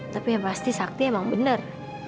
tapi yang pasti sakti emang benar